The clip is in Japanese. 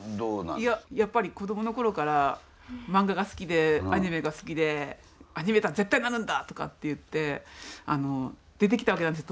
いややっぱり子どもの頃から漫画が好きでアニメが好きで「アニメーター絶対なるんだ！」とかって言って出てきたわけなんです